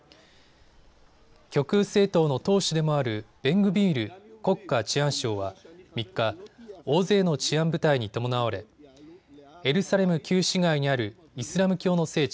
極右政党の党首でもあるベングビール国家治安相は３日、大勢の治安部隊に伴われエルサレム旧市街にあるイスラム教の聖地